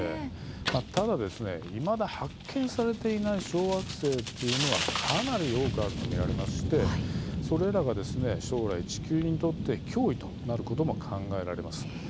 ただですねいまだ発見されていない小惑星というのはかなり多くあると見られましてそれらが将来、地球にとって脅威となることも考えられます。